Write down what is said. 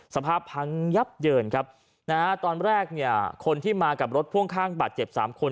สภาพพังยับเยินครับนะฮะตอนแรกเนี่ยคนที่มากับรถพ่วงข้างบาดเจ็บสามคน